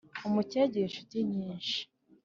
umukire agira incuti nyinshi